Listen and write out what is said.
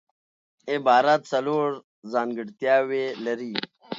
عبارت څلور ځانګړتیاوي لري.